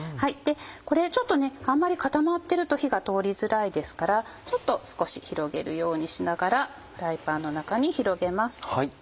これあんまり固まってると火が通りづらいですから少し広げるようにしながらフライパンの中に広げます。